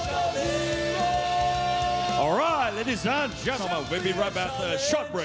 เอาล่ะทุกคนค่ะมาฟังคำถัดเสียงกันกันกัน